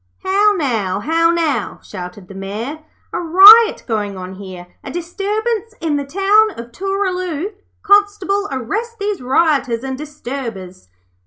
'How now, how now!' shouted the Mayor. 'A riot going on here, a disturbance in the town of Tooraloo. Constable, arrest these rioters and disturbers.'